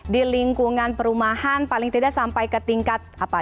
di lingkungan perumahan paling tidak sampai ke tingkat apa